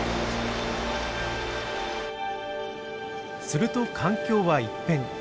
すると環境は一変。